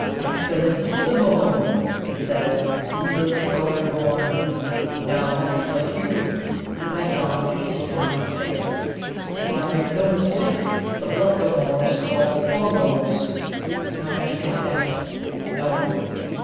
"Excellentissimo!" he said. "He's a scholard born. Now, monkeys like you," he went on, looking into Nod's face, "if I make no mistake, the blackamoors calls 'Pongoes.'" Nod shook his head. "No?